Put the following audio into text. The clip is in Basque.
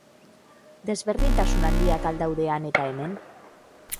Desberdintasun handiak al daude han eta hemen?